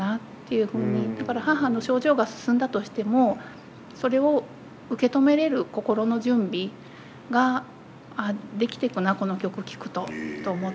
だから母の症状が進んだとしてもそれを受け止めれる心の準備ができてくなこの曲聴くとと思って。